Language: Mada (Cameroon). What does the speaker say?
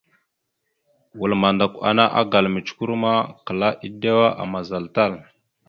Wal mandakw ana agala mʉcəkœr ma klaa edewa amaza tal.